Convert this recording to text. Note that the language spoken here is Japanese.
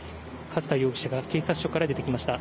勝田容疑者が警察署から出てきました。